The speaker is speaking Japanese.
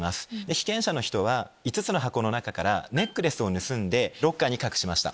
被験者の人は５つの箱の中からネックレスを盗んでロッカーに隠しました。